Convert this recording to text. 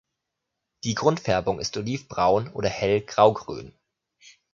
Die Grundfärbung ist olivbraun oder hell graugrün.